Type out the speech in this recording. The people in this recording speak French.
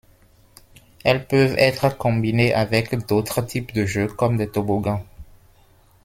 Elles peuvent être combinées avec d'autres types de jeux, comme des toboggans.